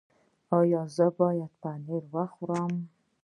ایا زه باید پنیر وخورم؟